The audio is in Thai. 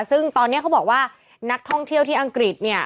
ซึ่งตอนนี้เขาบอกว่านักท่องเที่ยวที่อังกฤษเนี่ย